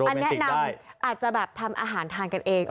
อันนี้อาจจะแบบทำอาหารทานกันเอง